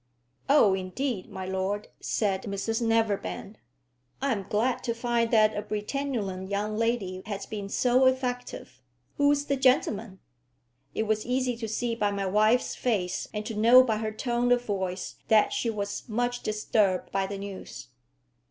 "Oh, indeed, my lord!" said Mrs Neverbend. "I am glad to find that a Britannulan young lady has been so effective. Who is the gentleman?" It was easy to see by my wife's face, and to know by her tone of voice, that she was much disturbed by the news.